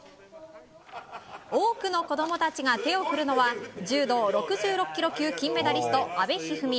多くの子供たちが手を振るのは柔道６６ｋｇ級金メダリスト阿部一二三。